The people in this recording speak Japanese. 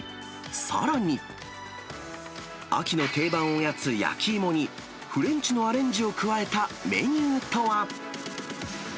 さらに、秋の定番おやつ、焼き芋に、フレンチのアレンジを加えたメニューとは。